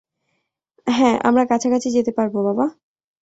হ্যাঁ, আমরা কাছাকাছি যেতে পারব, বাবা!